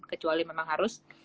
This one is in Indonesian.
kecuali memang harus